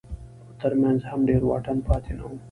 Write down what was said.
تر منځ هم ډېر واټن پاتې نه و.